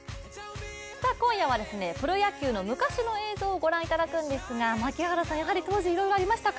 今夜はプロ野球の昔の映像をご覧いただくんですが槙原さん、やはり当時いろいろありましたか？